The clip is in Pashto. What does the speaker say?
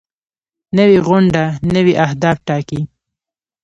نوې غونډه نوي اهداف ټاکي